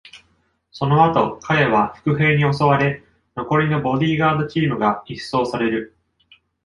その後、彼は伏兵に襲われ、残りのボディーガードチームが一掃される。